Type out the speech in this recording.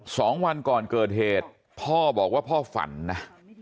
สองวันก่อนเกิดเหตุพ่อบอกว่าพ่อฝันนะ